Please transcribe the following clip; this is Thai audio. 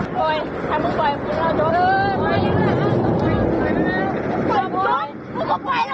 โดดมาโดดมา